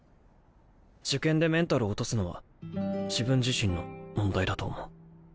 受験でメンタル落とすのは自分自身の問題だと思う。